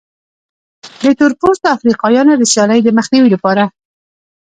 د تور پوستو افریقایانو د سیالۍ د مخنیوي لپاره.